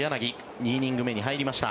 ２イニング目に入りました。